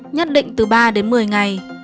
nhất định từ ba đến một mươi ngày